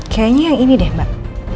kayaknya yang ini deh mbak